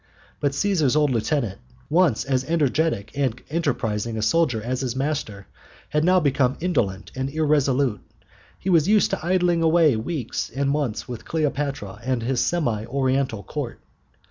But Cæsar's old lieutenant, once as energetic and enterprising a soldier as his master, had now become indolent and irresolute. He was used to idling away weeks and months with Cleopatra and his semi Oriental Court.